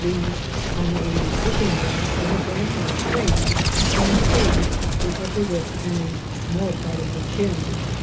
e., we hung a looking glass on the branch of a tree, and shaved the upper lip and a small part of the chin.